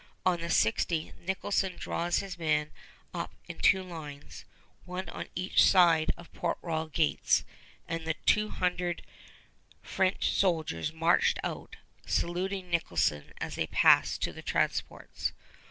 On the 16th Nicholson draws his men up in two lines, one on each side of Port Royal gates, and the two hundred French soldiers marched out, saluting Nicholson as they passed to the transports.